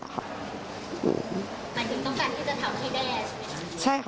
หมายถึงต้องการที่จะทำให้แด้ใช่ไหมคะ